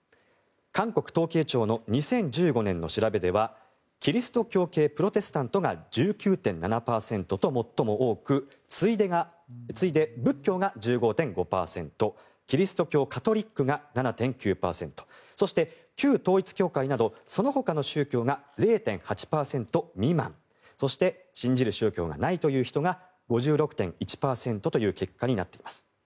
韓国統計庁の２０１５年の調べではキリスト教系プロテスタントが１９．７％と最も多く次いで仏教が１５．５％キリスト教カトリックが７．９％そして、旧統一教会などそのほかの宗教が０．８％未満そして信じる宗教がないという人が５６．１％となっています。